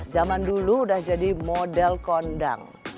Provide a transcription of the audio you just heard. zaman dulu udah jadi model kondang